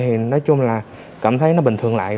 thì nói chung là cảm thấy nó bình thường lại